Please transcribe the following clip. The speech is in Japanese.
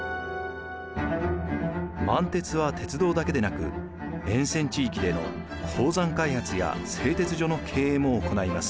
満鉄は鉄道だけでなく沿線地域での鉱山開発や製鉄所の経営も行います。